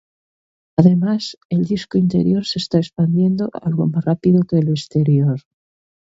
Además, el disco interior se está expandiendo algo más rápido que el exterior.